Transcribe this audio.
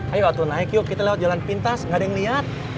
ayo waktu naik yuk kita lewat jalan pintas gak ada yang niat